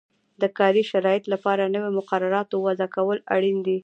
د کاري شرایطو لپاره نویو مقرراتو وضعه کول اړین دي.